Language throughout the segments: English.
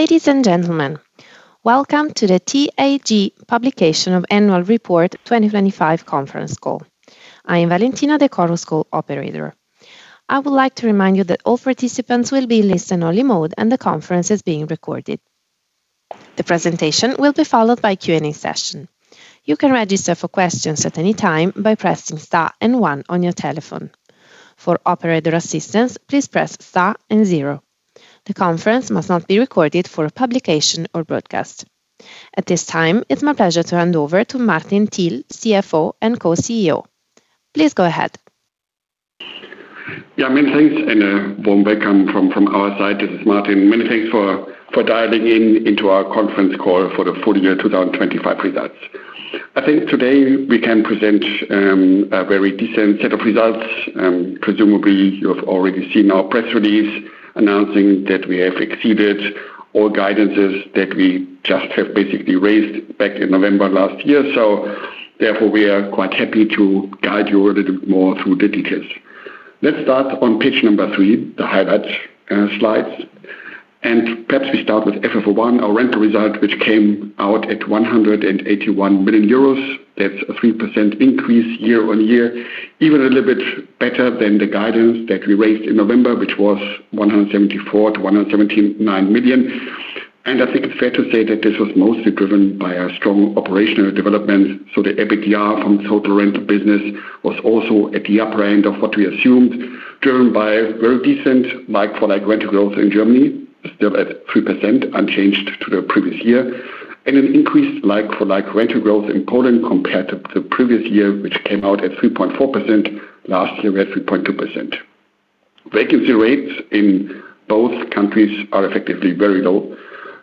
Ladies and gentlemen, welcome to the TAG publication of annual report 2025 conference call. I am Valentina, the call's operator. I would like to remind you that all participants will be in listen only mode and the conference is being recorded. The presentation will be followed by a Q&A session. You can register for questions at any time by pressing star and one on your telephone. For operator assistance, please press star and zero. The conference must not be recorded for publication or broadcast. At this time, it's my pleasure to hand over to Martin Thiel, CFO and Co-CEO. Please go ahead. Yeah, many thanks and a warm welcome from our side. This is Martin. Many thanks for dialing in into our conference call for the full year 2025 results. I think today we can present a very decent set of results. Presumably you have already seen our press release announcing that we have exceeded all guidances that we just have basically raised back in November last year. Therefore, we are quite happy to guide you a little bit more through the details. Let's start on page 3, the highlights slides. Perhaps we start with FFO 1, our rental result, which came out at 181 million euros. That's a 3% increase year-on-year. Even a little bit better than the guidance that we raised in November, which was 174 million-179 million. I think it's fair to say that this was mostly driven by our strong operational development. The EBITDA from total rental business was also at the upper end of what we assumed, driven by very decent like-for-like rental growth in Germany, still at 3% unchanged to the previous year. An increased like-for-like rental growth in Poland compared to the previous year, which came out at 3.4%. Last year we had 3.2%. Vacancy rates in both countries are effectively very low.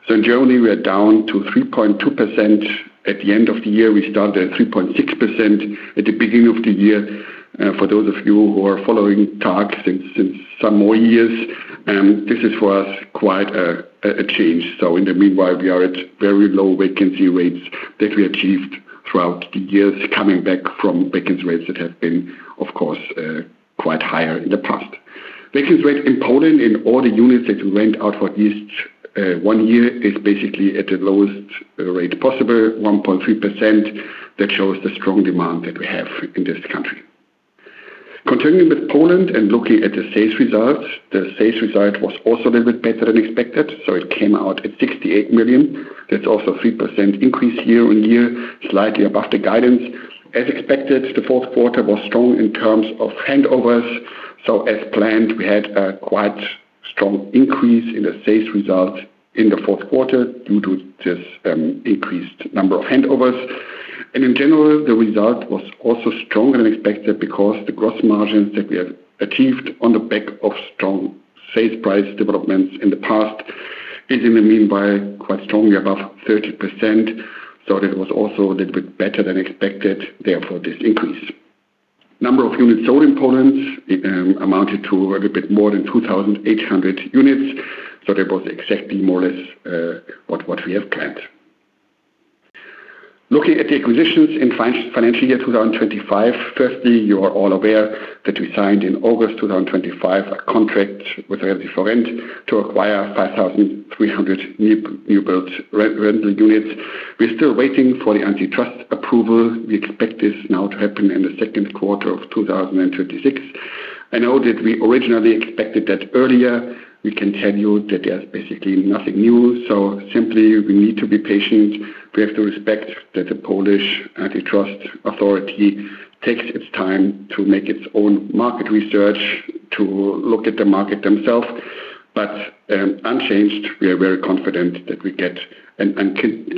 In Germany we are down to 3.2%. At the end of the year, we started at 3.6%. At the beginning of the year, for those of you who are following TAG since some more years, this is for us quite a change. In the meanwhile, we are at very low vacancy rates that we achieved throughout the years coming back from vacancy rates that have been, of course, quite higher in the past. Vacancy rates in Poland in all the units that we rent out for at least one year is basically at the lowest rate possible, 1.3%. That shows the strong demand that we have in this country. Continuing with Poland and looking at the sales results. The sales result was also a little bit better than expected, so it came out at 68 million. That's also 3% increase year-on-year, slightly above the guidance. As expected, the fourth quarter was strong in terms of handovers. As planned, we had a quite strong increase in the sales results in the fourth quarter due to this increased number of handovers. In general, the result was also stronger than expected because the gross margins that we have achieved on the back of strong sales price developments in the past is in the meanwhile quite strongly above 30%. That was also a little bit better than expected. Therefore, this increase in the number of units sold in Poland amounted to a little bit more than 2,800 units. That was exactly more or less what we have planned. Looking at the acquisitions in financial year 2025. Firstly, you are all aware that we signed in August 2025 a contract with Resi4Rent to acquire 5,300 new built residential rental units. We're still waiting for the antitrust approval. We expect this now to happen in the second quarter of 2026. I know that we originally expected that earlier. We can tell you that there's basically nothing new, so simply we need to be patient. We have to respect that the Polish antitrust authority takes its time to make its own market research to look at the market themselves. Unchanged, we are very confident that we get an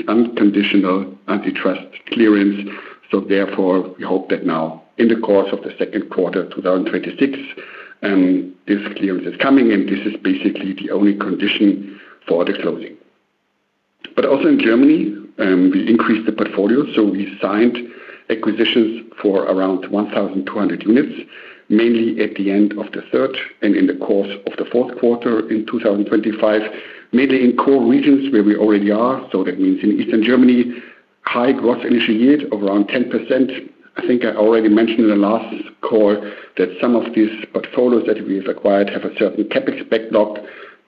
unconditional antitrust clearance. Therefore, we hope that now in the course of the second quarter 2026, this clearance is coming and this is basically the only condition for the closing. Also in Germany, we increased the portfolio. We signed acquisitions for around 1,200 units. Mainly at the end of the third and in the course of the fourth quarter in 2025, mainly in core regions where we already are. That means in eastern Germany, high gross initial yield of around 10%. I think I already mentioned in the last call that some of these portfolios that we have acquired have a certain CapEx backlog.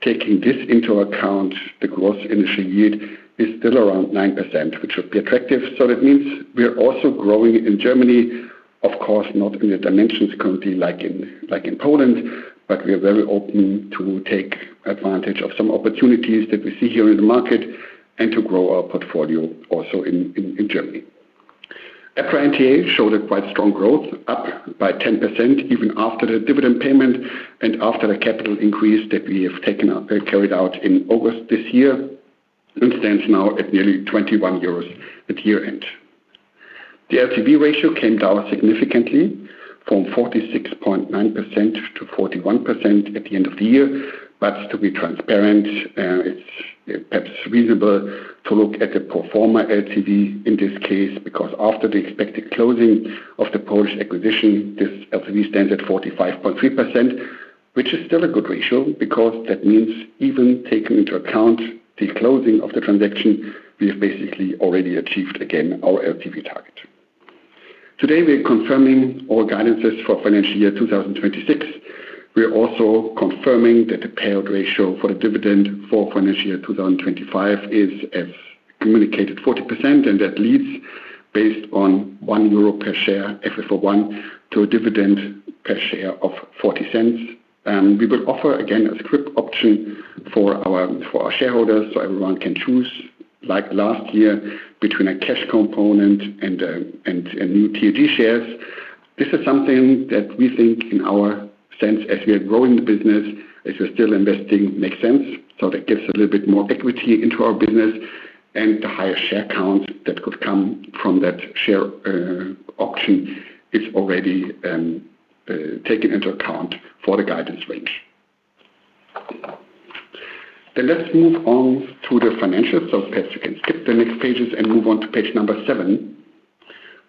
Taking this into account, the gross initial yield is still around 9%, which should be attractive. That means we are also growing in Germany. Of course, not in the dimensions currently like in Poland, but we are very open to take advantage of some opportunities that we see here in the market and to grow our portfolio also in Germany. EPRA NTA showed a quite strong growth, up by 10% even after the dividend payment and after the capital increase that we have taken, carried out in August this year, and stands now at nearly 21 euros at year-end. The LTV ratio came down significantly from 46.9% - 41% at the end of the year. To be transparent, it's perhaps reasonable to look at the pro forma LTV in this case, because after the expected closing of the Polish acquisition, this LTV stands at 45.3%, which is still a good ratio, because that means even taking into account the closing of the transaction, we have basically already achieved again our LTV target. Today we are confirming all guidances for financial year 2026. We are also confirming that the payout ratio for the dividend for financial year 2025 is as communicated, 40%, and that leads based on 1 euro per share FFO 1 to a dividend per share of 0.40. We will offer again a scrip option for our shareholders, so everyone can choose like last year between a cash component and new TAG shares. This is something that we think in our sense as we are growing the business, as we're still investing, makes sense. That gives a little bit more equity into our business and the higher share count that could come from that share option is already taken into account for the guidance range. Let's move on to the financials. Perhaps you can skip the next pages and move on to page number seven,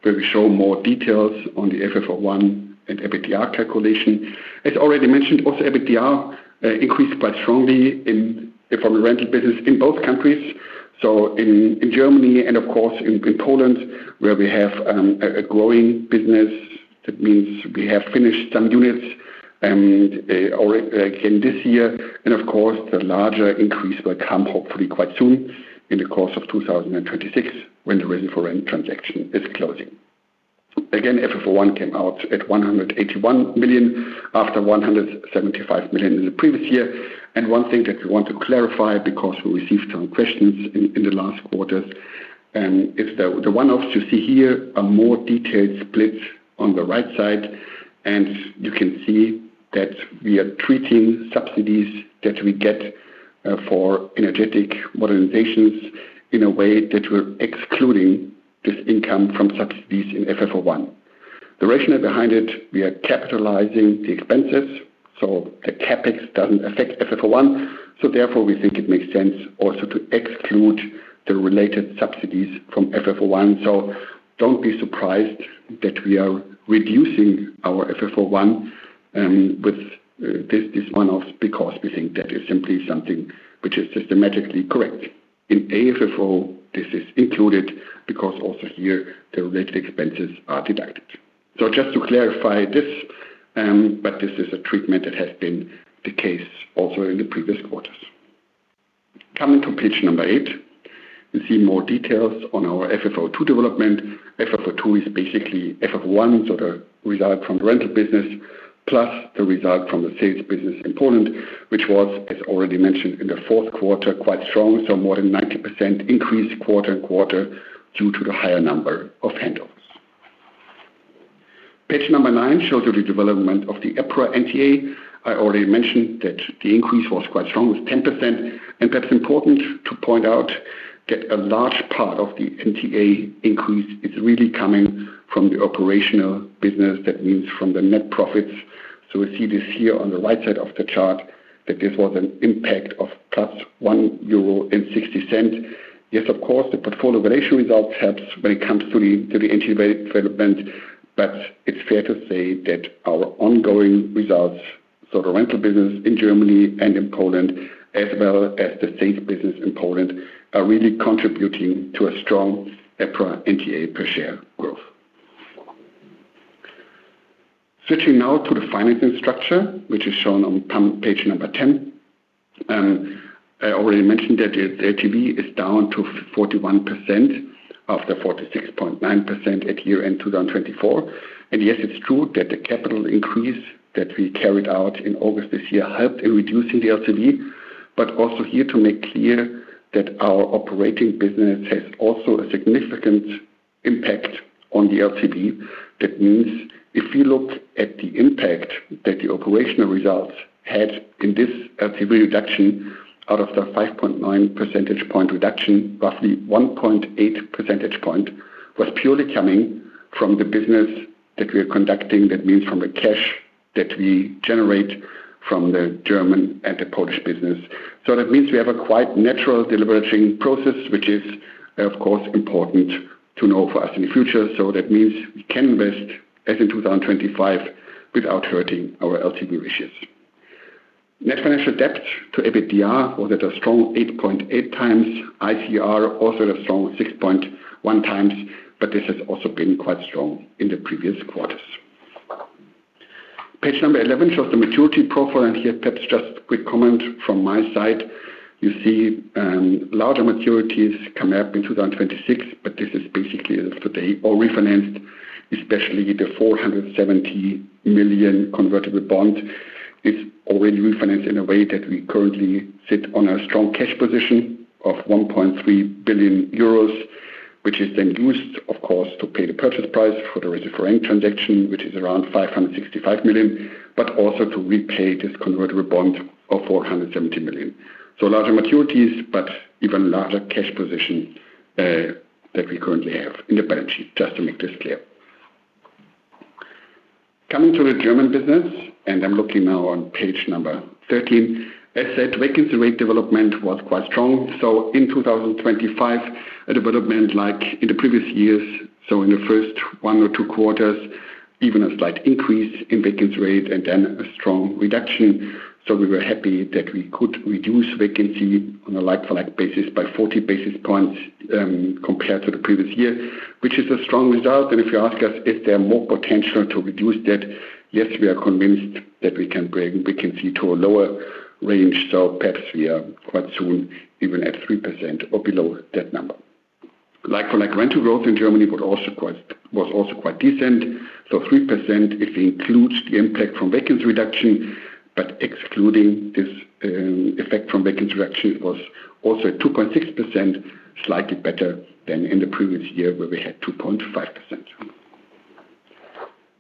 where we show more details on the FFO 1 and EBITDA calculation. As already mentioned, also EBITDA increased quite strongly from the rental business in both countries, in Germany and of course in Poland where we have a growing business. That means we have finished some units in this year and of course the larger increase will come hopefully quite soon in the course of 2026 when the Resi4Rent transaction is closing. Again, FFO 1 came out at 181 million after 175 million in the previous year. One thing that we want to clarify because we received some questions in the last quarters is the one-offs you see here are more detailed split on the right side and you can see that we are treating subsidies that we get for energy modernizations in a way that we're excluding this income from subsidies in FFO one. The rationale behind it, we are capitalizing the expenses so the CapEx doesn't affect FFO one. Therefore, we think it makes sense also to exclude the related subsidies from FFO one. Don't be surprised that we are reducing our FFO one with this one-off because we think that is simply something which is systematically correct. In AFFO this is included because also here the related expenses are deducted. Just to clarify this, but this is a treatment that has been the case also in the previous quarters. Coming to page eight, you see more details on our FFO 2 development. FFO 2 is basically FFO 1, so the result from the rental business plus the result from the sales business in Poland, which was, as already mentioned in the fourth quarter, quite strong, so more than 90% increased quarter-over-quarter due to the higher number of handoffs. Page 9 shows you the development of the EPRA NTA. I already mentioned that the increase was quite strong with 10%, and that's important to point out that a large part of the NTA increase is really coming from the operational business, that means from the net profits. We see this here on the right side of the chart that this was an impact of +1.60 euro. Yes, of course, the portfolio valuation results help when it comes to the NTA development. It's fair to say that our ongoing results, so the rental business in Germany and in Poland as well as the sales business in Poland, are really contributing to a strong EPRA NTA per share growth. Switching now to the financing structure, which is shown on page 10. I already mentioned that the LTV is down to 41% after 46.9% at year-end 2024. Yes, it's true that the capital increase that we carried out in August this year helped in reducing the LTV, but also here to make clear that our operating business has also a significant impact on the LTV. That means if you look at the impact that the operational results had in this LTV reduction out of the 5.9 percentage point reduction, roughly 1.8 percentage point was purely coming from the business that we are conducting. That means from the cash that we generate from the German and the Polish business. That means we have a quite natural deleveraging process, which is of course important to know for us in the future. That means we can invest as in 2025 without hurting our LTV ratios. Net financial debt to EBITDA was at a strong 8.8x. ICR also at a strong 6.1x, but this has also been quite strong in the previous quarters. Page 11 shows the maturity profile, and here perhaps just a quick comment from my side. You see, larger maturities come up in 2026, but this is basically as of today all refinanced, especially the 470 million convertible bond is already refinanced in a way that we currently sit on a strong cash position of 1.3 billion euros, which is then used, of course, to pay the purchase price for the Resi4Rent transaction, which is around 565 million, but also to repay this convertible bond of 470 million. Larger maturities, but even larger cash position, that we currently have in the balance sheet, just to make this clear. Coming to the German business, and I'm looking now on page 13. As said, vacancy rate development was quite strong. In 2025, a development like in the previous years, so in the first one or two quarters. Even a slight increase in vacancy rate and then a strong reduction. We were happy that we could reduce vacancy on a like-for-like basis by 40 basis points, compared to the previous year, which is a strong result. If you ask us if there are more potential to reduce that, yes, we are convinced that we can bring vacancy to a lower range. Perhaps we are quite soon even at 3% or below that number. Like-for-like rental growth in Germany was also quite decent. 3%, it includes the impact from vacancy reduction, but excluding this effect from vacancy reduction was also 2.6%, slightly better than in the previous year where we had 2.5%.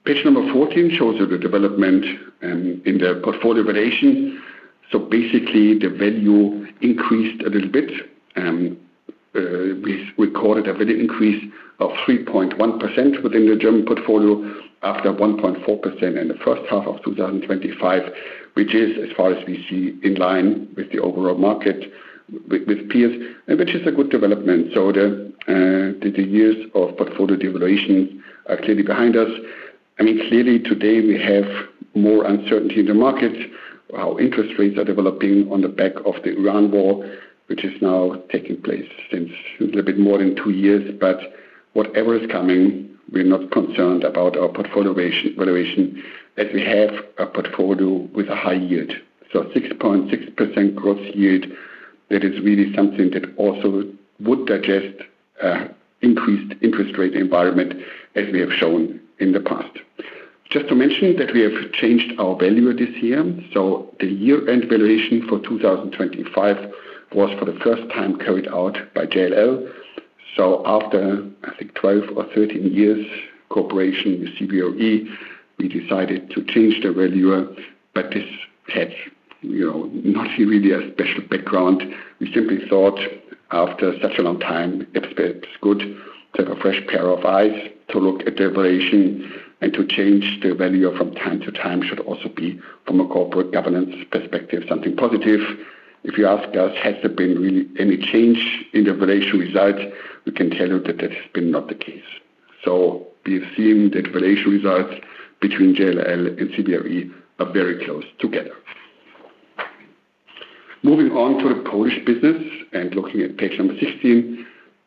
Page number 14 shows you the development in the portfolio valuation. Basically, the value increased a little bit. We recorded a value increase of 3.1% within the German portfolio after 1.4% in the first half of 2025, which is, as far as we see, in line with the overall market with peers, and which is a good development. The years of portfolio devaluation are clearly behind us. I mean, clearly today we have more uncertainty in the market, how interest rates are developing on the back of the Ukraine war, which is now taking place since a little bit more than 2 years. Whatever is coming, we're not concerned about our portfolio valuation, as we have a portfolio with a high yield. 6.6% gross yield, that is really something that also would digest increased interest rate environment as we have shown in the past. Just to mention that we have changed our valuer this year. The year-end valuation for 2025 was for the first time carried out by JLL. After, I think, 12 or 13 years cooperation with CBRE, we decided to change the valuer. This had, you know, not really a special background. We simply thought after such a long time, it's good to have a fresh pair of eyes to look at the valuation and to change the valuer from time to time should also be, from a corporate governance perspective, something positive. If you ask us, has there been really any change in the valuation result, we can tell you that that has been not the case. We've seen that valuation results between JLL and CBRE are very close together. Moving on to the Polish business and looking at page 16.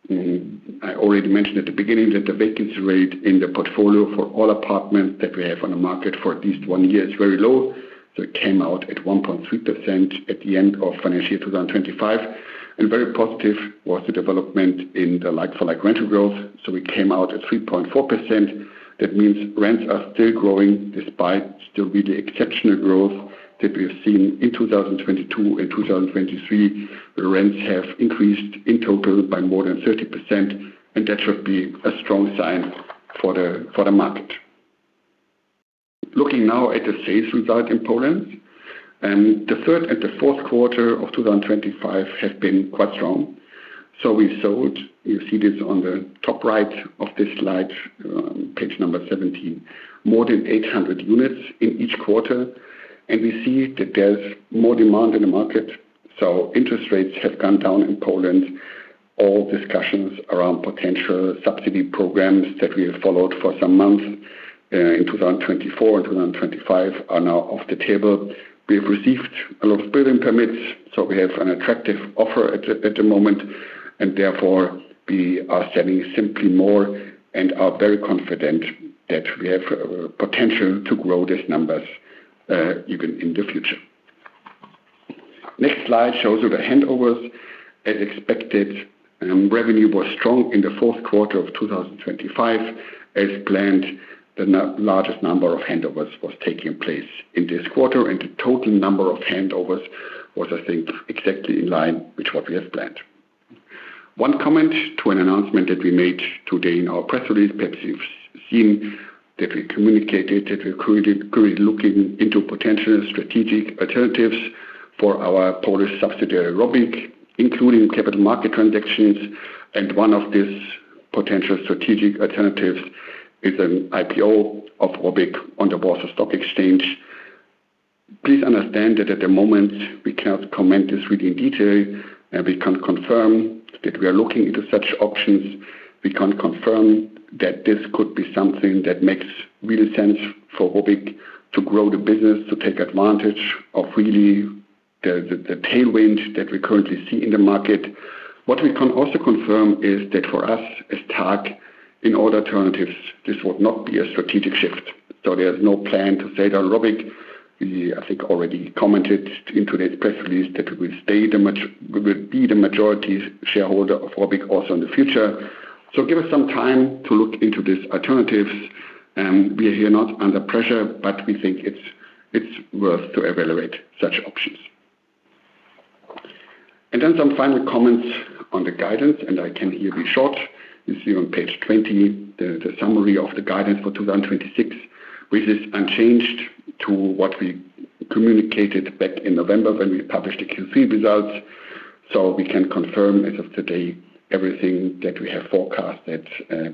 I already mentioned at the beginning that the vacancy rate in the portfolio for all apartments that we have on the market for at least one year is very low. It came out at 1.3% at the end of financial year 2025. Very positive was the development in the like-for-like rental growth. We came out at 3.4%. That means rents are still growing despite still really exceptional growth that we have seen in 2022 and 2023. The rents have increased in total by more than 30%, and that should be a strong sign for the market. Looking now at the sales result in Poland, the third and fourth quarter of 2025 have been quite strong. We sold, you see this on the top right of this slide, page number 17, more than 800 units in each quarter, and we see that there's more demand in the market. Interest rates have gone down in Poland. All discussions around potential subsidy programs that we have followed for some months in 2024 and 2025 are now off the table. We have received a lot of building permits, so we have an attractive offer at the moment, and therefore we are selling simply more and are very confident that we have potential to grow these numbers even in the future. Next slide shows you the handovers. As expected, revenue was strong in the fourth quarter of 2025. As planned, the largest number of handovers was taking place in this quarter, and the total number of handovers was, I think, exactly in line with what we had planned. One comment to an announcement that we made today in our press release. Perhaps you've seen that we communicated that we're currently looking into potential strategic alternatives for our Polish subsidiary, Robyg, including capital market transactions, and one of these potential strategic alternatives is an IPO of Robyg on the Warsaw Stock Exchange. Please understand that at the moment we can't comment on this really in detail. We can confirm that we are looking into such options. We can confirm that this could be something that makes really sense for Robyg to grow the business, to take advantage of really the tailwind that we currently see in the market. What we can also confirm is that for us as TAG, in all alternatives, this would not be a strategic shift. There's no plan to sell Robyg. I think we already commented in today's press release that we will be the majority shareholder of Robyg also in the future. Give us some time to look into these alternatives. We are here not under pressure, but we think it's worth to evaluate such options. Then some final comments on the guidance, and I can here be short. You see on page 20 the summary of the guidance for 2026, which is unchanged to what we communicated back in November when we published the Q3 results. We can confirm as of today everything that we have forecasted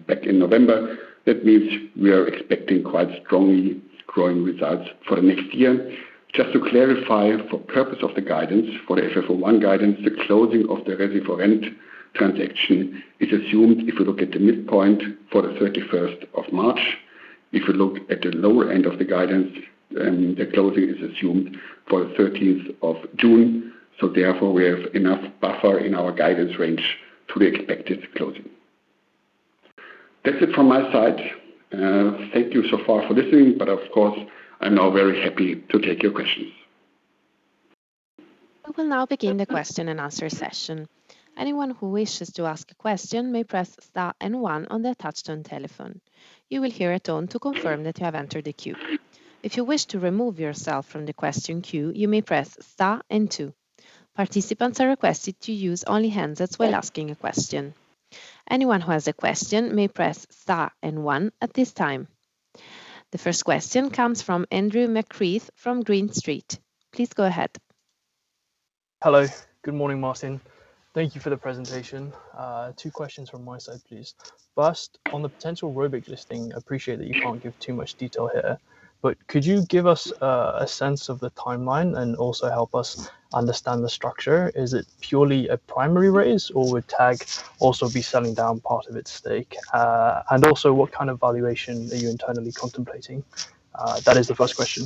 back in November. That means we are expecting quite strongly growing results for the next year. Just to clarify, for purpose of the guidance, for the FFO 1 guidance, the closing of the Resi4Rent transaction is assumed. If you look at the midpoint for the 31st of March, if you look at the lower end of the guidance, the closing is assumed for 13th of June. Therefore, we have enough buffer in our guidance range to the expected closing. That's it from my side. Thank you so far for listening, but of course, I'm now very happy to take your questions. We will now begin the question and answer session. Anyone who wishes to ask a question may press star and one on their touchtone telephone. You will hear a tone to confirm that you have entered the queue. If you wish to remove yourself from the question queue, you may press star and two. Participants are requested to use only handsets while asking a question. Anyone who has a question may press star and one at this time. The first question comes from Andrew McCreath from Green Street. Please go ahead. Hello. Good morning, Martin. Thank you for the presentation. Two questions from my side, please. First, on the potential Robyg listing, appreciate that you can't give too much detail here, but could you give us a sense of the timeline and also help us understand the structure? Is it purely a primary raise, or would TAG also be selling down part of its stake? And also, what kind of valuation are you internally contemplating? That is the first question.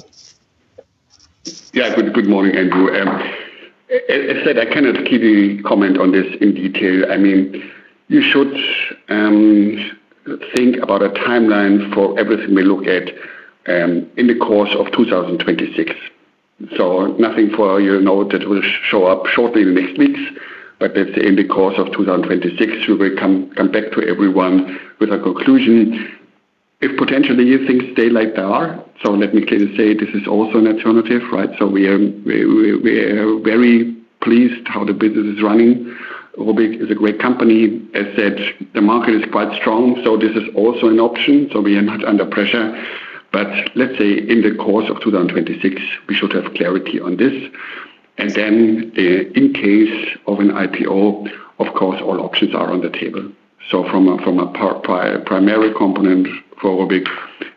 Yeah. Good morning, Andrew. As said, I cannot give a comment on this in detail. I mean, you should think about a timeline for everything we look at in the course of 2026. Nothing for you to know that will show up shortly in the next weeks, but let's say in the course of 2026, we will come back to everyone with a conclusion. If potentially things stay like they are, let me clearly say this is also an alternative, right? We are very pleased how the business is running. Robyg is a great company. As said, the market is quite strong, this is also an option, we are not under pressure. But let's say in the course of 2026, we should have clarity on this. In case of an IPO, of course, all options are on the table. From a primary component for Robyg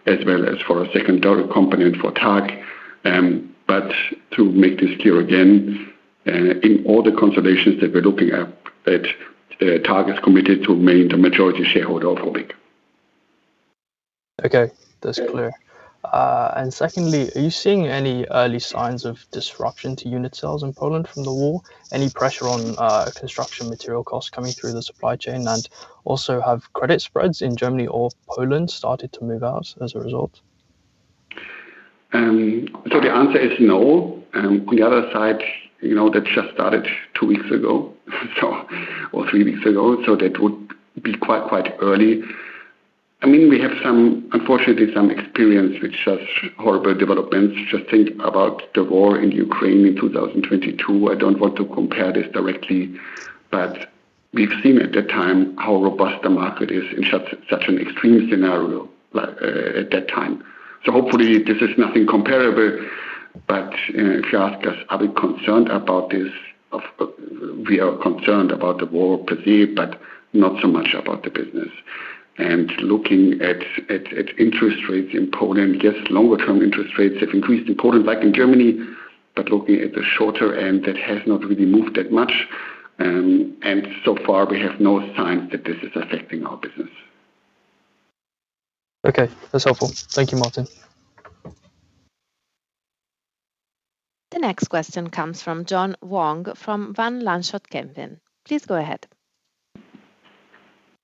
as well as for a secondary component for TAG. To make this clear again, in all the consolidations that we're looking at, TAG is committed to remain the majority shareholder of Robyg. Okay. That's clear. Secondly, are you seeing any early signs of disruption to unit sales in Poland from the war? Any pressure on construction material costs coming through the supply chain? Also, have credit spreads in Germany or Poland started to move out as a result? The answer is no. On the other side, you know, that just started two weeks ago or three weeks ago, that would be quite early. I mean, we have unfortunately some experience with such horrible developments. Just think about the war in Ukraine in 2022. I don't want to compare this directly, but we've seen at that time how robust the market is in such an extreme scenario at that time. Hopefully this is nothing comparable. But if you ask us, are we concerned about this? We are concerned about the war per se, but not so much about the business. Looking at interest rates in Poland, yes, longer term interest rates have increased in Poland like in Germany, but looking at the shorter end, that has not really moved that much. So far, we have no signs that this is affecting our business. Okay. That's helpful. Thank you, Martin. The next question comes from John Vuong from Van Lanschot Kempen. Please go ahead.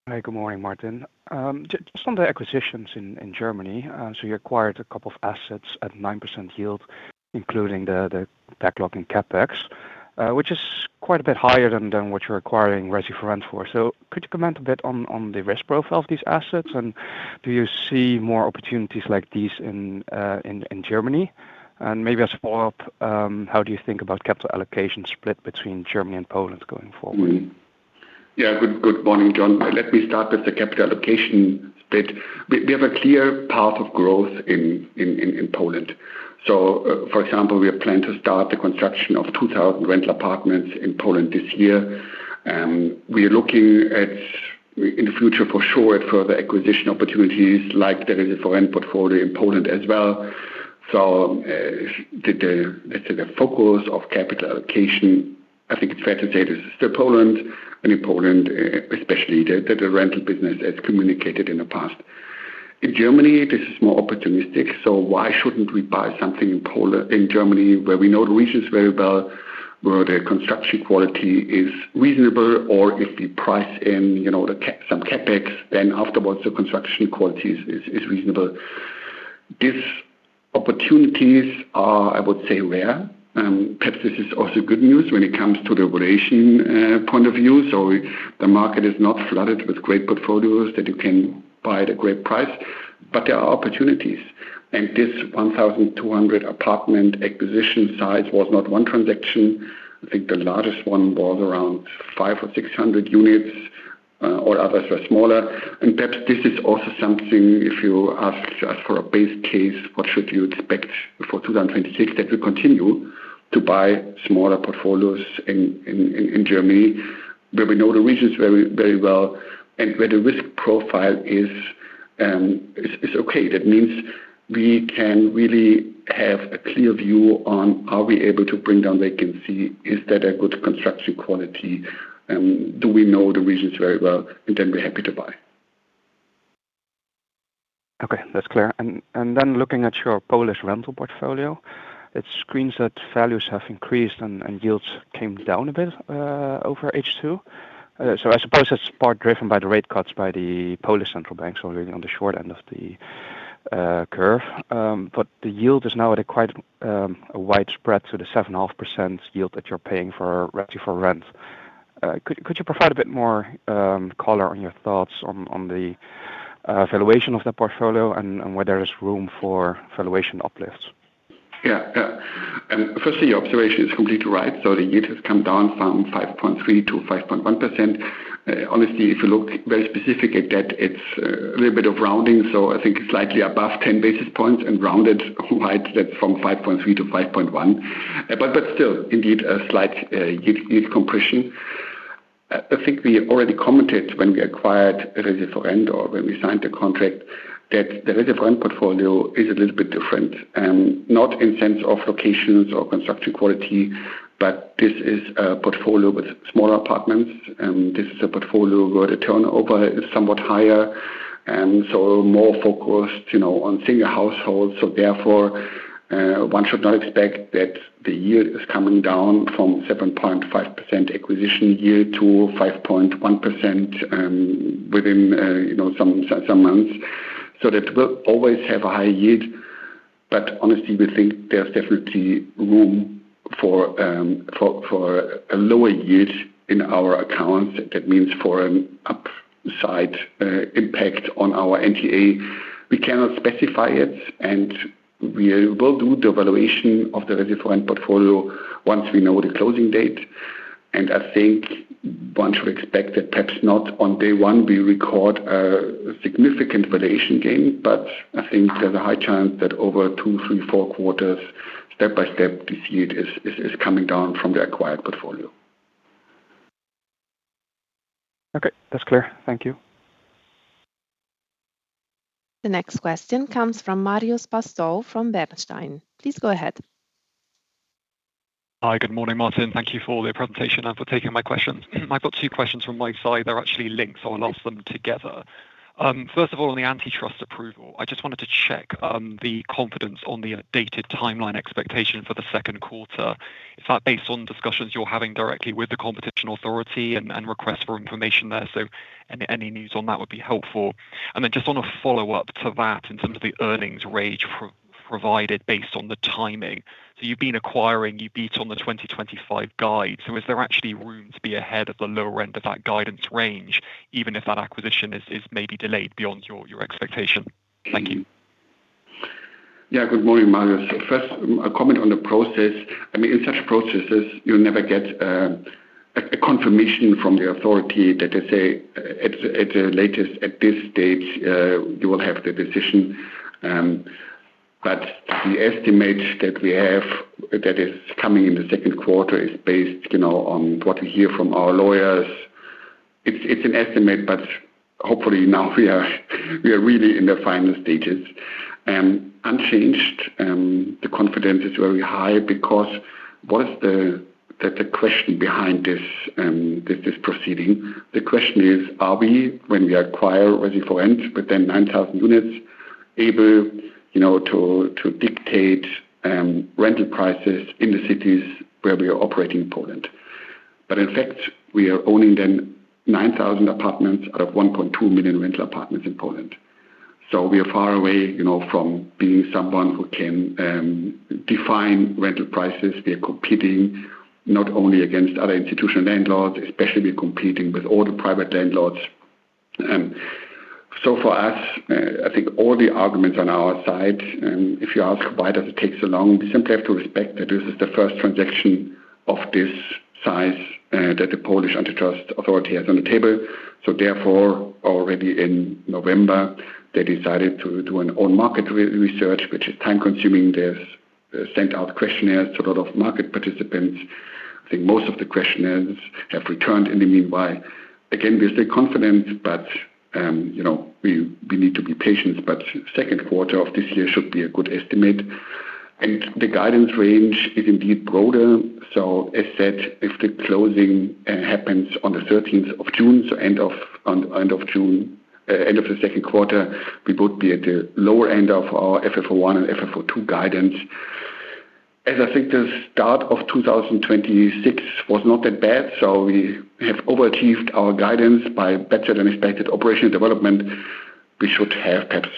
Hi. Good morning, Martin. Just on the acquisitions in Germany, you acquired a couple of assets at 9% yield, including the tech lock and CapEx, which is quite a bit higher than what you're acquiring Resi4Rent for. Could you comment a bit on the risk profile of these assets, and do you see more opportunities like these in Germany? Maybe as a follow-up, how do you think about capital allocation split between Germany and Poland going forward? Good morning, John. Let me start with the capital allocation bit. We have a clear path of growth in Poland. For example, we have planned to start the construction of 2,000 rental apartments in Poland this year. We are looking at, in the future for sure, at further acquisition opportunities like the Resi4Rent portfolio in Poland as well. Let's say the focus of capital allocation, I think it's fair to say this is still Poland and in Poland, especially the rental business as communicated in the past. In Germany, this is more opportunistic, so why shouldn't we buy something in Germany where we know the regions very well, where the construction quality is reasonable, or if we price in, you know, some CapEx, then afterwards the construction quality is reasonable. These opportunities are, I would say, rare. Perhaps this is also good news when it comes to the valuation point of view. The market is not flooded with great portfolios that you can buy at a great price, but there are opportunities. This 1,200 apartment acquisition size was not one transaction. I think the largest one was around 500 or 600 units. All others were smaller. Perhaps this is also something if you ask just for a base case, what should you expect for 2026 that we continue to buy smaller portfolios in Germany, where we know the regions very, very well and where the risk profile is okay. That means we can really have a clear view on are we able to bring down vacancy, is that a good construction quality, do we know the regions very well. Then we're happy to buy. Okay, that's clear. Looking at your Polish rental portfolio, it seems that values have increased and yields came down a bit over H2. I suppose that's partly driven by the rate cuts by the Polish central bank, really on the short end of the curve. The yield is now at quite a wide spread to the 7.5% yield that you're paying for Resi4Rent. Could you provide a bit more color on your thoughts on the valuation of that portfolio and where there is room for valuation uplifts? Yeah. Firstly, your observation is completely right. The yield has come down from 5.3% - 5.1%. Honestly, if you look very specific at that, it's a little bit of rounding. I think slightly above 10 basis points and rounded right that from 5.3% - 5.1%. But still, indeed, a slight yield compression. I think we already commented when we acquired Resi4Rent or when we signed the contract that the Resi4Rent portfolio is a little bit different. Not in sense of locations or construction quality, but this is a portfolio with smaller apartments, and this is a portfolio where the turnover is somewhat higher and so more focused, you know, on single households. Therefore, one should not expect that the yield is coming down from 7.5% acquisition yield to 5.1%, within you know, some months. That will always have a high yield. But honestly, we think there's definitely room for a lower yield in our accounts. That means for an upside impact on our NTA. We cannot specify it, and we will do the valuation of the Resi4Rent portfolio once we know the closing date. I think one should expect that perhaps not on day one we record a significant valuation gain, but I think there's a high chance that over two, three, four quarters, step by step, this yield is coming down from the acquired portfolio. Okay. That's clear. Thank you. The next question comes from Marios Pastou from Bernstein. Please go ahead. Hi. Good morning, Martin. Thank you for the presentation and for taking my questions. I've got two questions from my side. They're actually linked, so I'll ask them together. First of all, on the antitrust approval, I just wanted to check the confidence on the updated timeline expectation for the second quarter. Is that based on discussions you're having directly with the competition authority and requests for information there? Any news on that would be helpful. Then just on a follow-up to that, in terms of the earnings range provided based on the timing. You've been acquiring, you beat on the 2025 guide. Is there actually room to be ahead of the lower end of that guidance range, even if that acquisition is maybe delayed beyond your expectation? Thank you. Yeah. Good morning, Marios. First, a comment on the process. I mean, in such processes, you never get a confirmation from the authority that they say at the latest, at this stage, you will have the decision. The estimate that we have that is coming in the second quarter is based, you know, on what we hear from our lawyers. It's an estimate, but hopefully now we are really in the final stages. Unchanged, the confidence is very high because what is the question behind this proceeding? The question is, are we, when we acquire Resi4Rent with their 9,000 units, able, you know, to dictate rental prices in the cities where we operate in Poland? In fact, we are owning them 9,000 apartments out of 1.2 million rental apartments in Poland. We are far away, you know, from being someone who can define rental prices. We are competing not only against other institutional landlords, especially we're competing with all the private landlords. For us, I think all the arguments on our side, if you ask why does it take so long, we simply have to respect that this is the first transaction of this size that the Polish Antitrust Authority has on the table. Therefore, already in November, they decided to do an on-market research, which is time-consuming. They've sent out questionnaires to a lot of market participants. I think most of the questionnaires have returned in the meanwhile. Again, we stay confident, but you know, we need to be patient. Second quarter of this year should be a good estimate. The guidance range is indeed broader. As said, if the closing happens on the thirteenth of June, end of June, end of the second quarter, we would be at the lower end of our FFO 1 and FFO 2 guidance. As I think the start of 2026 was not that bad, so we have overachieved our guidance by better than expected operational development. We should have perhaps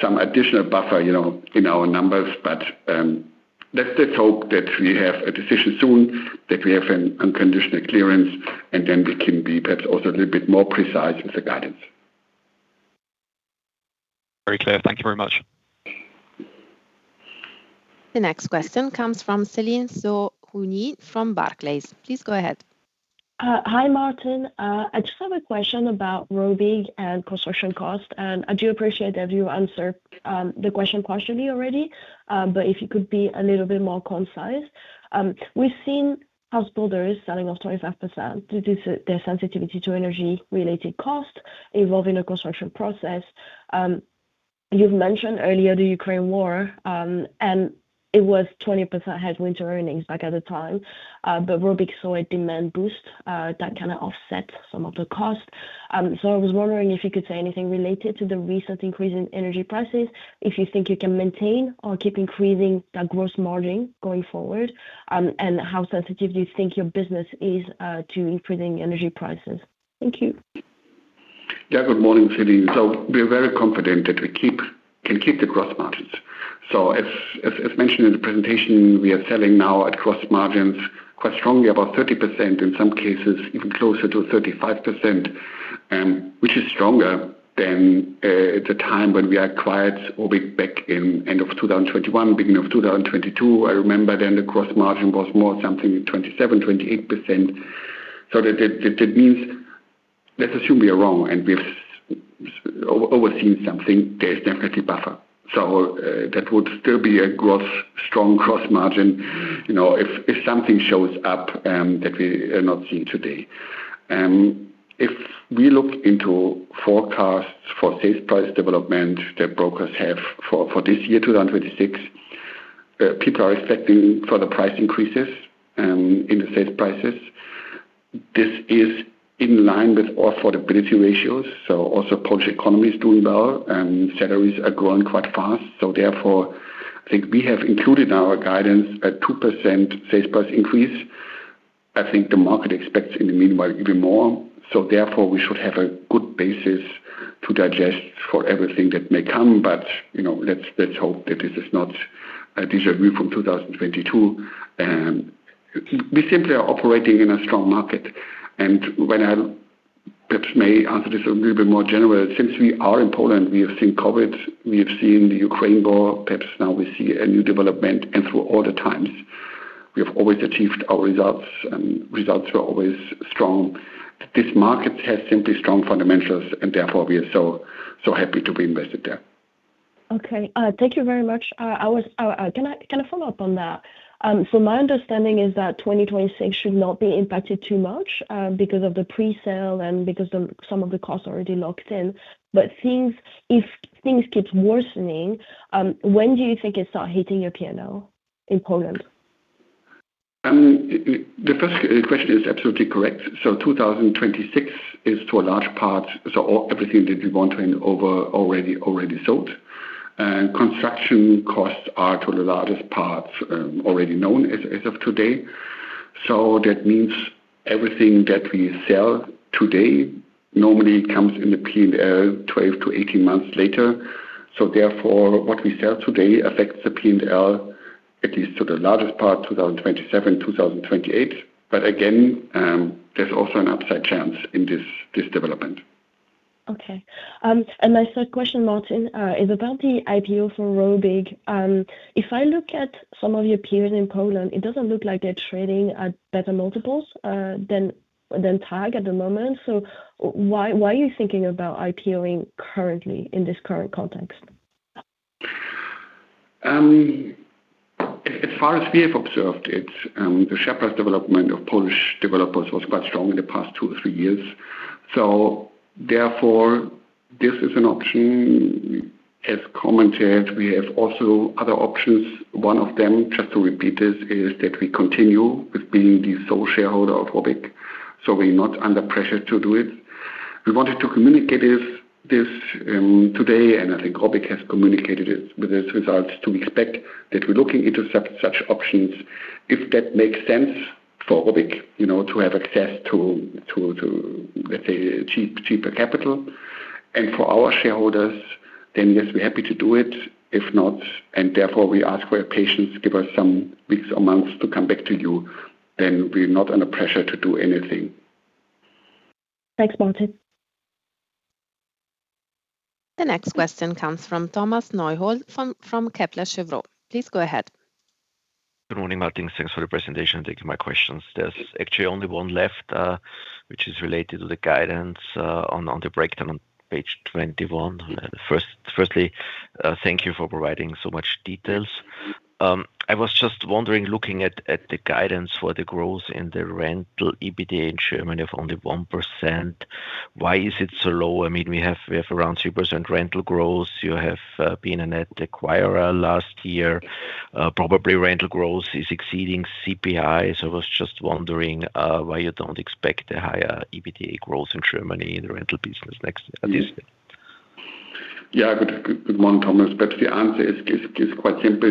some additional buffer, you know, in our numbers. Let's hope that we have a decision soon, that we have an unconditional clearance, and then we can be perhaps also a little bit more precise with the guidance. Very clear. Thank you very much. The next question comes from Eleanor Frew from Barclays. Please go ahead. Hi Martin. I just have a question about Robyg and construction cost, and I do appreciate that you answered the question partially already, but if you could be a little bit more concise. We've seen house builders selling off 25% due to their sensitivity to energy related costs involving a construction process. You've mentioned earlier the Ukraine war, and it was 20% headwind earnings back at the time. Robyg saw a demand boost that kinda offset some of the costs. I was wondering if you could say anything related to the recent increase in energy prices, if you think you can maintain or keep increasing the gross margin going forward, and how sensitive do you think your business is to increasing energy prices? Thank you. Yeah. Good morning, Eleanor. We're very confident that we can keep the gross margins. As mentioned in the presentation, we are selling now at gross margins quite strongly, about 30%, in some cases even closer to 35%, which is stronger than at the time when we acquired Robyg back in end of 2021, beginning of 2022. I remember then the gross margin was more something, 27%-28%. That it means. Let's assume we are wrong and we've overseen something. There's definitely buffer. That would still be a strong gross margin, you know, if something shows up that we have not seen today. If we look into forecasts for sales price development that brokers have for this year, 2026, people are expecting further price increases in the sales prices. This is in line with affordability ratios, so also Polish economy is doing well and salaries are growing quite fast. I think we have included our guidance at 2% sales price increase. I think the market expects in the meanwhile even more. We should have a good basis to digest for everything that may come. You know, let's hope that this is not a déjà vu from 2022. We simply are operating in a strong market. When I perhaps may answer this a little bit more general, since we are in Poland, we have seen COVID, we have seen the Ukraine war, perhaps now we see a new development. Through all the times, we have always achieved our results, and results were always strong. This market has simply strong fundamentals and therefore we are so happy to be invested there. Okay. Thank you very much. Can I follow up on that? So my understanding is that 2026 should not be impacted too much, because of the presale and because some of the costs already locked in. If things keep worsening, when do you think it start hitting your P&L in Poland? The first question is absolutely correct. 2026 is, to a large part, everything that we want to hand over already sold. Construction costs are, to the largest part, already known as of today. That means everything that we sell today normally comes in the P&L 12-18 months later. Therefore, what we sell today affects the P&L, at least to the largest part, 2027, 2028. But again, there's also an upside chance in this development. My third question, Martin, is about the IPO for Robyg. If I look at some of your peers in Poland, it doesn't look like they're trading at better multiples than TAG at the moment. Why are you thinking about IPO-ing currently in this current context? As far as we have observed it, the shareholders development of Polish developers was quite strong in the past two or three years. Therefore, this is an option. As commented, we have also other options. One of them, just to repeat this, is that we continue with being the sole shareholder of Robyg, so we're not under pressure to do it. We wanted to communicate this today, and I think Robyg has communicated it with its results, to expect that we're looking into such options, if that makes sense for Robyg, you know, to have access to, let's say, cheaper capital. For our shareholders, then, yes, we're happy to do it. If not, therefore we ask for your patience, give us some weeks or months to come back to you, then we're not under pressure to do anything. Thanks, Martin. The next question comes from Thomas Neuhold from Kepler Cheuvreux. Please go ahead. Good morning, Martin. Thanks for the presentation. Thank you for my questions. There's actually only one left, which is related to the guidance on the breakdown on page 21. Firstly, thank you for providing so much details. I was just wondering, looking at the guidance for the growth in the rental EBITDA in Germany of only 1%, why is it so low? I mean, we have around 2% rental growth. You have been a net acquirer last year. Probably rental growth is exceeding CPI. I was just wondering why you don't expect a higher EBITDA growth in Germany in the rental business next year. Yeah. Good morning, Thomas. The answer is quite simple.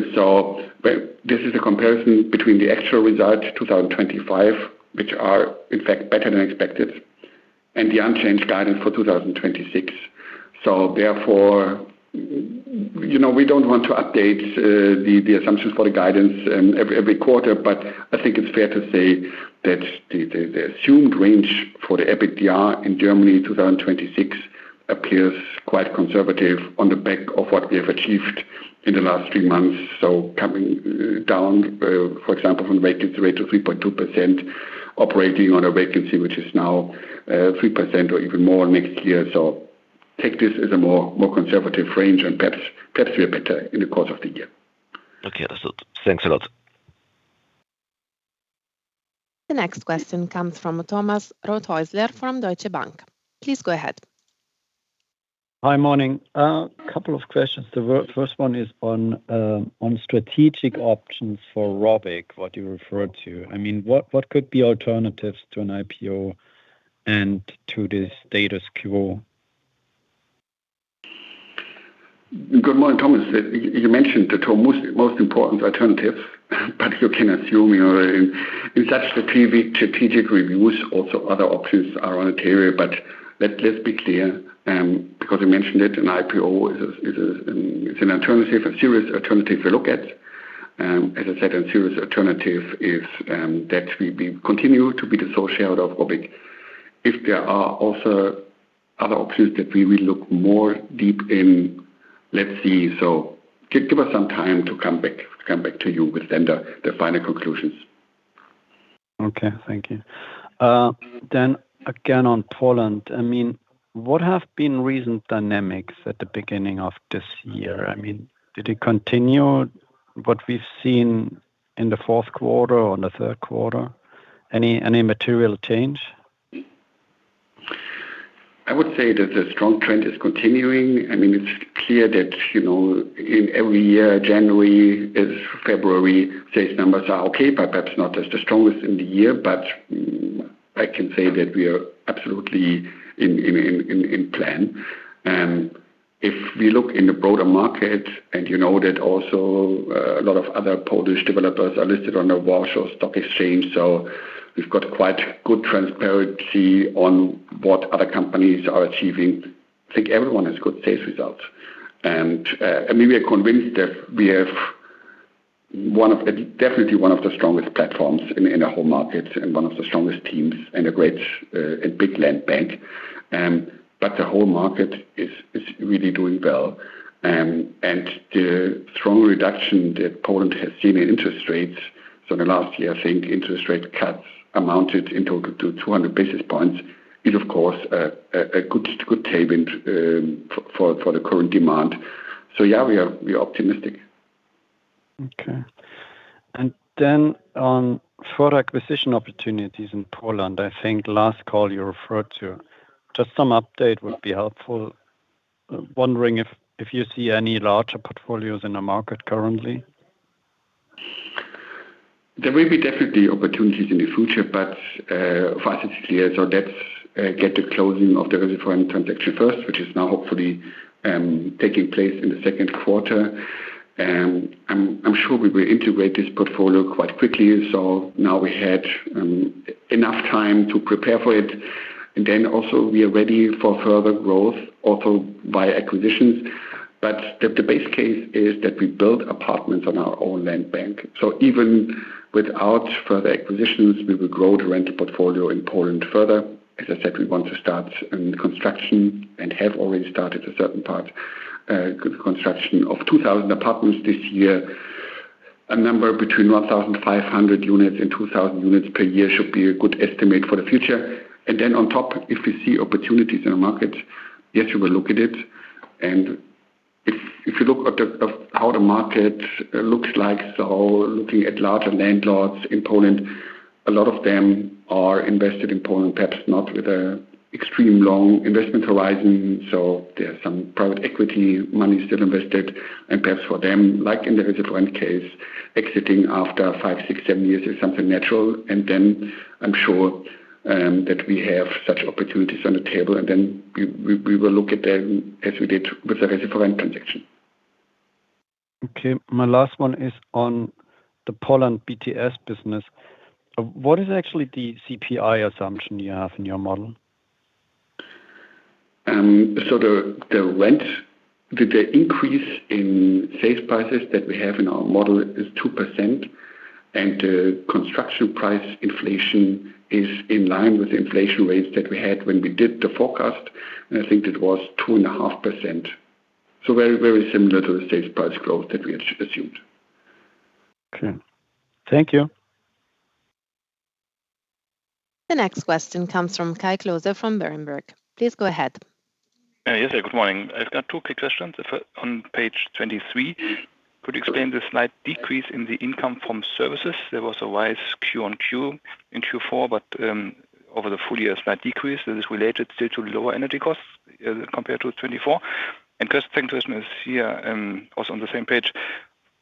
This is a comparison between the actual results, 2025, which are in fact better than expected, and the unchanged guidance for 2026. Therefore, you know, we don't want to update the assumptions for the guidance every quarter. I think it's fair to say that the assumed range for the EBITDA in Germany 2026 appears quite conservative on the back of what we have achieved in the last three months. Coming down, for example, from vacancy rate to 3.2%, operating on a vacancy which is now 3% or even more next year. Take this as a more conservative range and perhaps we are better in the course of the year. Okay. Understood. Thanks a lot. The next question comes from Thomas Rothäusler from Deutsche Bank. Please go ahead. Hi. Morning. A couple of questions. The first one is on strategic options for Robyg, what you referred to. I mean, what could be alternatives to an IPO and to the status quo? Good morning, Thomas. You mentioned the two most important alternatives, but you can assume, you know, in such strategic reviews, also other options are on the table. Let's be clear, because you mentioned it, an IPO is an alternative, a serious alternative to look at. As I said, a serious alternative is that we continue to be the sole shareholder of Robyg. If there are also other options that we will look more deeply into, let's see. Give us some time to come back to you with the final conclusions. Okay. Thank you. Again on Poland. I mean, what have been recent dynamics at the beginning of this year? I mean, did it continue what we've seen in the fourth quarter or in the third quarter? Any material change? I would say that the strong trend is continuing. I mean, it's clear that, you know, in every year, January and February sales numbers are okay, but perhaps not as the strongest in the year. I can say that we are absolutely in plan. If we look in the broader market and you know that also a lot of other Polish developers are listed on the Warsaw Stock Exchange, so we've got quite good transparency on what other companies are achieving. I think everyone has good sales results. I mean, we are convinced that we have definitely one of the strongest platforms in the whole market and one of the strongest teams and a great, a big land bank. The whole market is really doing well. The strong reduction that Poland has seen in interest rates. In the last year, I think interest rate cuts amounted in total to 200 basis points is of course a good tailwind for the current demand. Yeah, we are optimistic. Okay. On further acquisition opportunities in Poland. I think last call you referred to. Just some update would be helpful. Wondering if you see any larger portfolios in the market currently. There will be definitely opportunities in the future, but for us it's clear. Let's get the closing of the Resi4Rent Warszawskie transaction first, which is now hopefully taking place in the second quarter. I'm sure we will integrate this portfolio quite quickly. Now we had enough time to prepare for it. Then also we are ready for further growth also via acquisitions. The base case is that we build apartments on our own land bank, so even without further acquisitions we will grow the rental portfolio in Poland further. As I said, we want to start construction and have already started a certain part construction of 2,000 apartments this year. A number between 1,500 units and 2,000 units per year should be a good estimate for the future. On top, if we see opportunities in the market, yes, we will look at it. If you look at how the market looks like, looking at larger landlords in Poland, a lot of them are invested in Poland, perhaps not with a extreme long investment horizon. There's some private equity money still invested and perhaps for them, like in the Resi4Rent case, exiting after five, six, seven years is something natural. I'm sure that we have such opportunities on the table and then we will look at them as we did with the Resi4Rent transaction. Okay. My last one is on the Poland BTS business. What is actually the CPI assumption you have in your model? The increase in sales prices that we have in our model is 2%, and the construction price inflation is in line with the inflation rates that we had when we did the forecast, and I think that was 2.5%. Very, very similar to the sales price growth that we assumed. Okay. Thank you. The next question comes from Kai Klose from Berenberg. Please go ahead. Yes, good morning. I've got two quick questions. The first, on page 23, could you explain the slight decrease in the income from services? There was a rise quarter-over-quarter in Q4, but over the full year, a slight decrease. Is this related still to lower energy costs compared to 2024? Second question is here, also on the same page,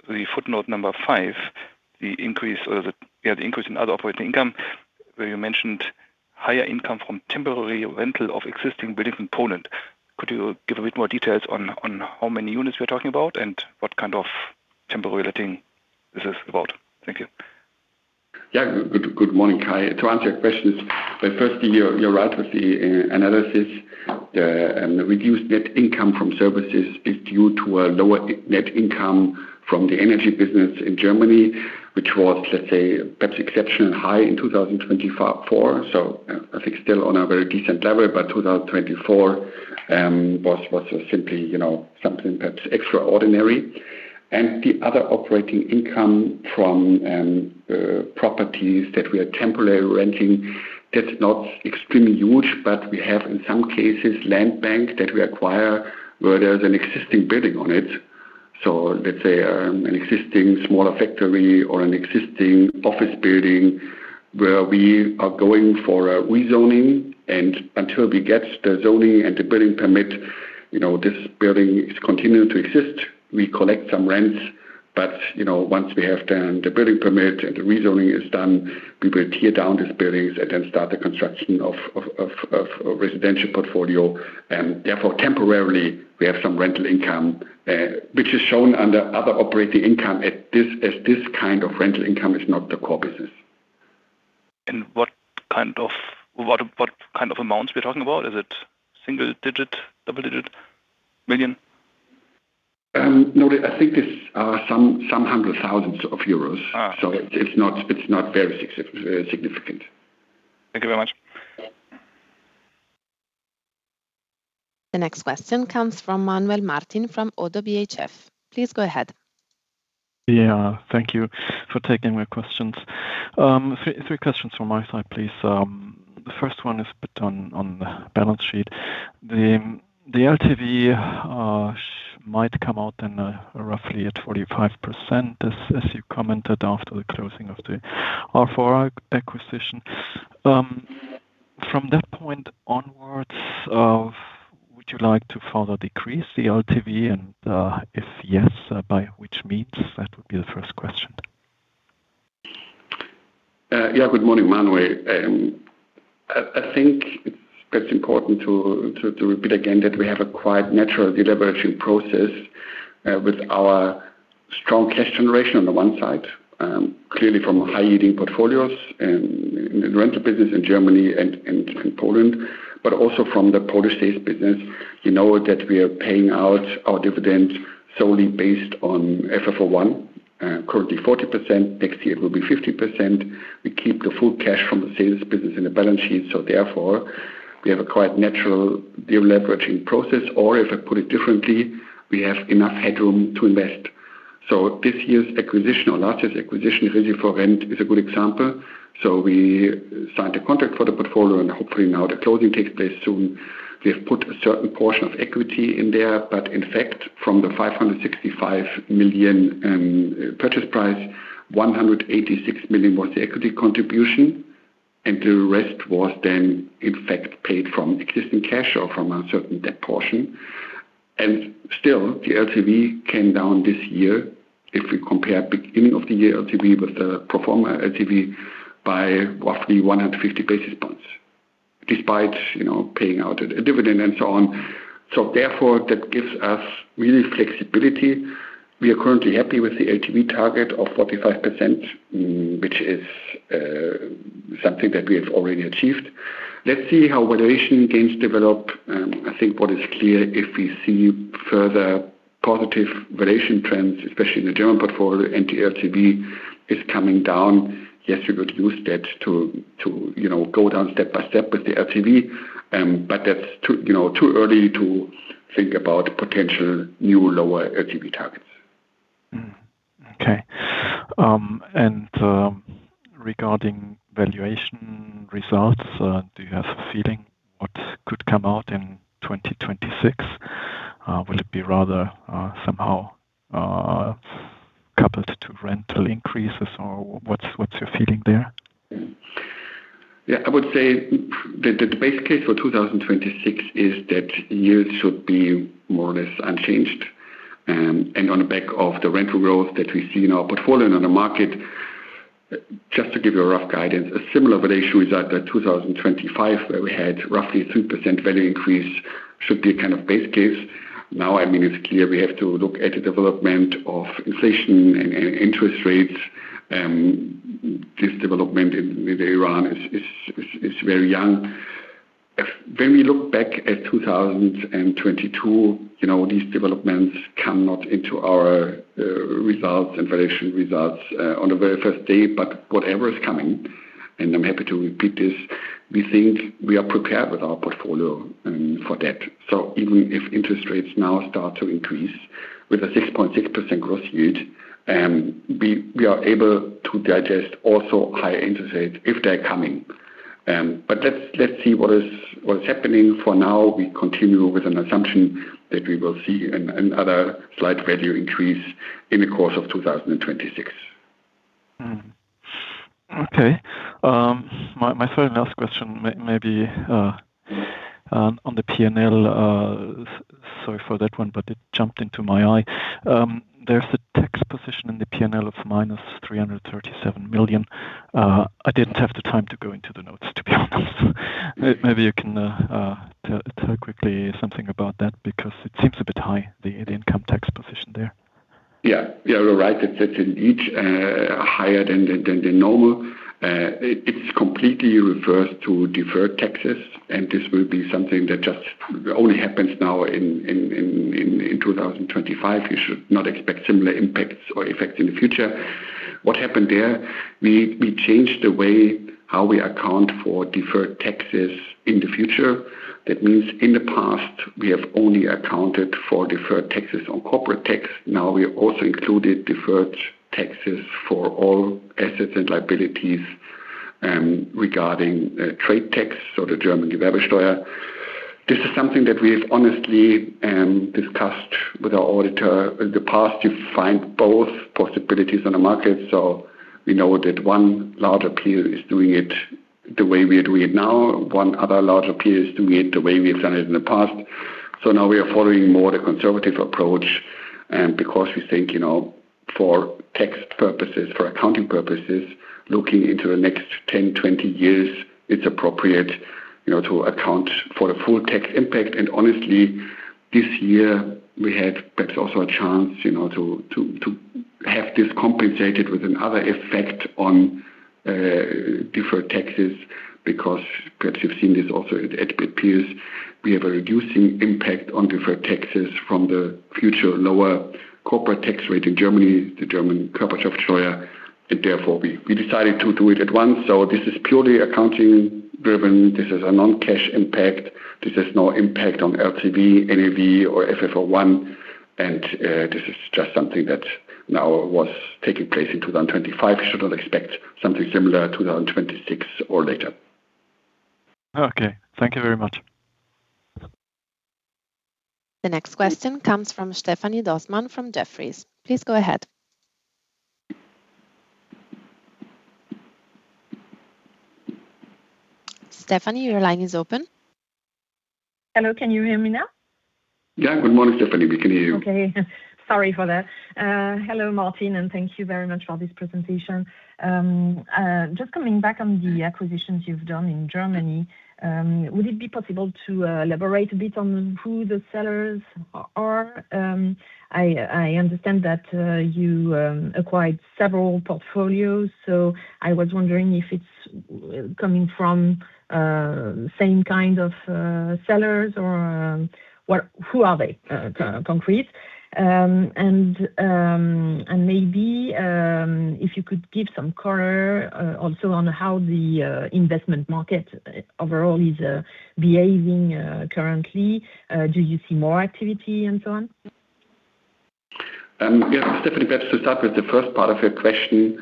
the footnote number 5, the increase in other operating income where you mentioned higher income from temporary rental of existing buildings in Poland. Could you give a bit more details on how many units we're talking about and what kind of temporary letting this is about? Thank you. Yeah. Good morning, Kai. To answer your questions, but firstly, you're right with the analysis. The reduced net income from services is due to a lower net income from the energy business in Germany, which was, let's say, perhaps exceptionally high in 2024. I think still on a very decent level, but 2024 was simply, you know, something perhaps extraordinary. The other operating income from properties that we are temporarily renting, that's not extremely huge. We have, in some cases, land bank that we acquire where there's an existing building on it. Let's say, an existing smaller factory or an existing office building where we are going for a rezoning. Until we get the zoning and the building permit, you know, this building is continuing to exist. We collect some rents, but, you know, once we have done the building permit and the rezoning is done, we will tear down these buildings and then start the construction of a residential portfolio. Therefore, temporarily, we have some rental income, which is shown under other operating income, as this kind of rental income is not the core business. What kind of amounts we're talking about? Is it single digit, double digit, million? No. I think it's some hundreds of thousands of EUR. Ah. It's not very significant. Thank you very much. The next question comes from Manuel Martin from ODDO BHF. Please go ahead. Thank you for taking my questions. Three questions from my side, please. The first one is on the balance sheet. The LTV might come out roughly at 45%, as you commented after the closing of the R4 acquisition. From that point onwards, would you like to further decrease the LTV? If yes, by which means? That would be the first question. Good morning, Manuel. I think that's important to repeat again that we have a quite natural deleveraging process with our strong cash generation on the one side. Clearly from high-yielding portfolios in the rental business in Germany and in Poland, but also from the Polish sales business. You know that we are paying out our dividends solely based on FFO 1, currently 40%. Next year it will be 50%. We keep the full cash from the sales business in the balance sheet, so therefore we have a quite natural deleveraging process. If I put it differently, we have enough headroom to invest. This year's acquisition or largest acquisition, Resi4Rent, is a good example. We signed a contract for the portfolio, and hopefully now the closing takes place soon. We have put a certain portion of equity in there. In fact, from the 565 million purchase price, 186 million was the equity contribution, and the rest was then in fact paid from existing cash or from a certain debt portion. Still, the LTV came down this year. If we compare beginning of the year LTV with the pro forma LTV by roughly 150 basis points, despite, you know, paying out a dividend and so on. Therefore, that gives us really flexibility. We are currently happy with the LTV target of 45%, which is something that we have already achieved. Let's see how valuation gains develop. I think what is clear, if we see further positive valuation trends, especially in the German portfolio, and the LTV is coming down. Yes, we could use that to, you know, go down step by step with the LTV. That's too, you know, too early to think about potential new lower LTV targets. Mm-hmm. Okay. Regarding valuation results, do you have a feeling what could come out in 2026? Will it be rather, somehow, coupled to rental increases? Or what's your feeling there? Yeah. I would say the base case for 2026 is that yields should be more or less unchanged. On the back of the rental growth that we see in our portfolio and on the market. Just to give you a rough guidance, a similar valuation is at the 2025, where we had roughly 3% value increase should be kind of base case. Now, I mean, it's clear we have to look at the development of inflation and interest rates. This development in Iran is very young. When we look back at 2022, you know, these developments come not into our results and valuation results on the very first day. Whatever is coming, and I'm happy to repeat this, we think we are prepared with our portfolio for that. Even if interest rates now start to increase with a 6.6% gross yield, we are able to digest also higher interest rates if they're coming. Let's see what is happening. For now, we continue with an assumption that we will see another slight value increase in the course of 2026. Okay. My third and last question may be on the P&L. Sorry for that one, but it jumped into my eye. There's a tax position in the P&L of -337 million. I didn't have the time to go into the notes, to be honest. Maybe you can tell quickly something about that because it seems a bit high, the income tax position there. Yeah. Yeah, you're right. It sits in each higher than the normal. It's completely refers to deferred taxes, and this will be something that just only happens now in 2025. You should not expect similar impacts or effects in the future. What happened there, we changed the way how we account for deferred taxes in the future. That means in the past, we have only accounted for deferred taxes on corporate tax. Now we also included deferred taxes for all assets and liabilities regarding trade tax. So the German. This is something that we have honestly discussed with our auditor. In the past, you find both possibilities on the market, so we know that one larger peer is doing it the way we are doing it now. One other larger peer is doing it the way we've done it in the past. Now we are following more the conservative approach, because we think, you know, for tax purposes, for accounting purposes, looking into the next 10 years, 20 years, it's appropriate, you know, to account for the full tax impact. Honestly, this year we had perhaps also a chance, you know, to have this compensated with another effect on deferred taxes because perhaps you've seen this also at peers. We have a reducing impact on deferred taxes from the future lower corporate tax rate in Germany, the German Wachstumschancengesetz, and therefore we decided to do it at once. This is purely accounting driven. This is a non-cash impact. This has no impact on LTV, NAV or FFO 1. This is just something that now was taking place in 2025. You should not expect something similar in 2026 or later. Okay. Thank you very much. The next question comes from Stéphanie Dossmann from Jefferies. Please go ahead. Stéphanie, your line is open. Hello, can you hear me now? Yeah. Good morning, Stéphanie. We can hear you. Okay. Sorry for that. Hello, Martin, and thank you very much for this presentation. Just coming back on the acquisitions you've done in Germany, would it be possible to elaborate a bit on who the sellers are? I understand that you acquired several portfolios. I was wondering if it's coming from same kind of sellers or who are they concrete? And maybe if you could give some color also on how the investment market overall is behaving currently. Do you see more activity and so on? Yes, Stéphanie, perhaps to start with the first part of your question.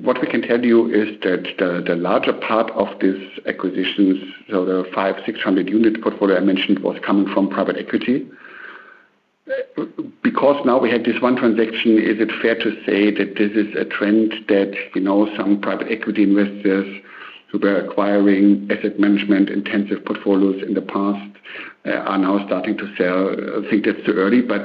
What we can tell you is that the larger part of these acquisitions, so the 500-600 unit portfolio I mentioned, was coming from private equity. Because now we have this one transaction, is it fair to say that this is a trend that, you know, some private equity investors who were acquiring asset management intensive portfolios in the past, are now starting to sell? I think that's too early, but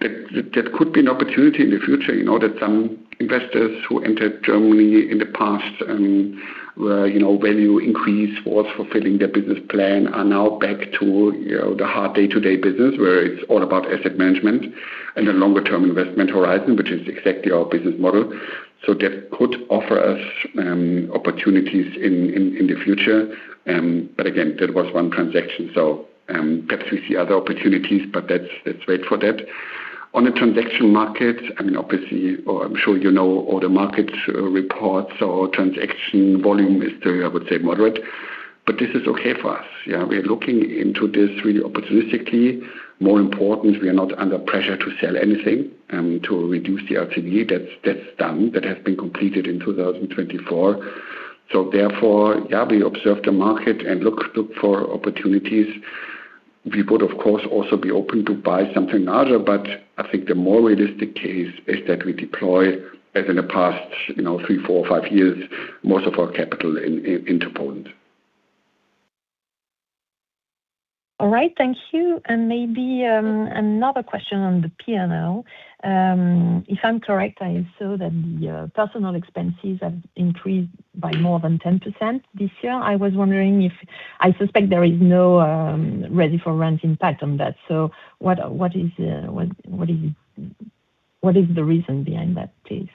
that could be an opportunity in the future. You know, that some investors who entered Germany in the past and were, you know, value increase was fulfilling their business plan are now back to, you know, the hard day-to-day business where it's all about asset management and a longer term investment horizon, which is exactly our business model. That could offer us opportunities in the future. Again, that was one transaction. Perhaps we see other opportunities, but let's wait for that. On the transaction market, I mean, I'm sure you know all the market reports or transaction volume is still, I would say, moderate, but this is okay for us. Yeah, we are looking into this really opportunistically. More important, we are not under pressure to sell anything to reduce the LTV. That's done. That has been completed in 2024. Therefore, yeah, we observe the market and look for opportunities. We would, of course, also be open to buy something larger, but I think the more realistic case is that we deploy, as in the past, you know, three years, four years, five years, most of our capital into Poland. All right. Thank you. Maybe another question on the P&L. If I'm correct, I saw that the personnel expenses have increased by more than 10% this year. I suspect there is no Resi4Rent impact on that. What is the reason behind that, please?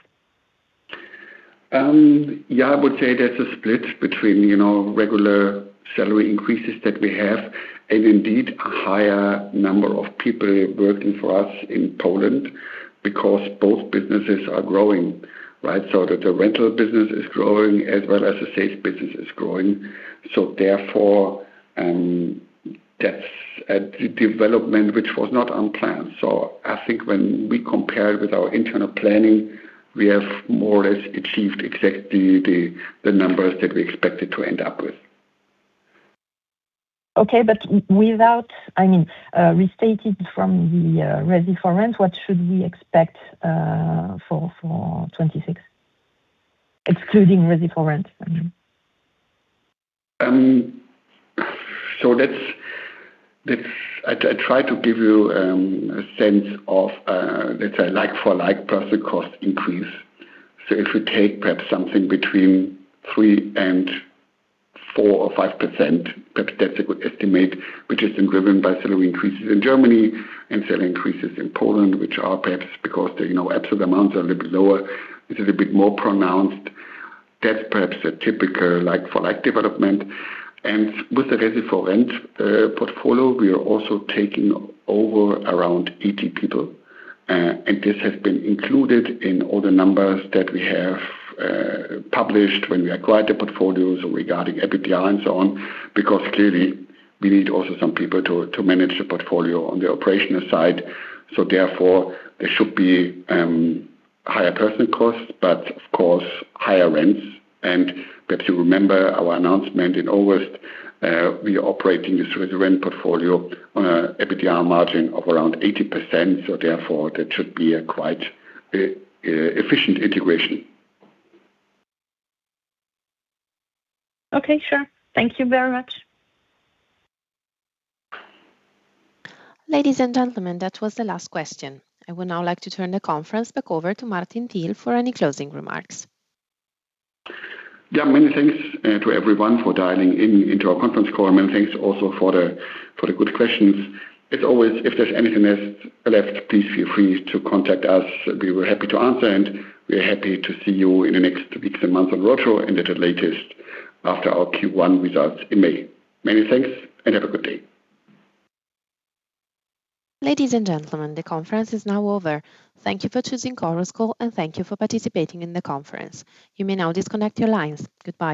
Yeah, I would say there's a split between, you know, regular salary increases that we have and indeed a higher number of people working for us in Poland because both businesses are growing, right? The rental business is growing as well as the sales business is growing. Therefore, that's a development which was not on plan. I think when we compare with our internal planning, we have more or less achieved exactly the numbers that we expected to end up with. Okay. Without, I mean, restated from the Resi4Rent, what should we expect for 2026? Excluding Resi4Rent, I mean. I try to give you a sense of, let's say, like for like personal cost increase. If we take perhaps something between 3%-5%, perhaps that's a good estimate, which is driven by salary increases in Germany and salary increases in Poland, which are perhaps because the absolute amounts are a little bit lower. This is a bit more pronounced. That's perhaps a typical like for like development. With the Resi4Rent portfolio, we are also taking over around 80 people. This has been included in all the numbers that we have published when we acquired the portfolios regarding EBITDA and so on, because clearly we need also some people to manage the portfolio on the operational side. Therefore there should be higher personal costs, but of course higher rents. Perhaps you remember our announcement in August. We are operating the Resi4Rent portfolio on an EBITDA margin of around 80%, so therefore that should be a quite efficient integration. Okay. Sure. Thank you very much. Ladies and gentlemen, that was the last question. I would now like to turn the conference back over to Martin Thiel for any closing remarks. Yeah, many thanks to everyone for dialing in into our conference call. Many thanks also for the good questions. As always, if there's anything else left, please feel free to contact us. We will be happy to answer, and we are happy to see you in the next weeks and months on virtual and at the latest after our Q1 results in May. Many thanks and have a good day. Ladies and gentlemen, the conference is now over. Thank you for choosing Chorus Call, and thank you for participating in the conference. You may now disconnect your lines. Goodbye.